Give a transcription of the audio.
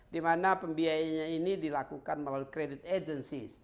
dimana pembiayainya ini dilakukan melalui credit agency